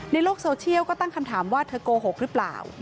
ในโลกโซเชียลก็ตั้งคำถามว่าเธอโกหกหรือเปล่า